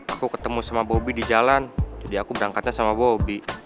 aku ketemu sama bobi di jalan jadi aku berangkatnya sama bobi